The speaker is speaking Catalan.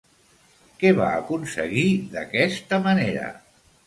Què va aconseguir d'aquesta manera?